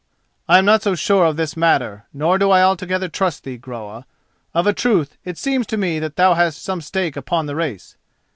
"I am not so sure of this matter, nor do I altogether trust thee, Groa. Of a truth it seems to me that thou hast some stake upon the race.